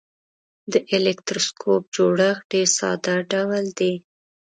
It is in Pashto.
د الکتروسکوپ جوړښت ډیر ساده ډول دی.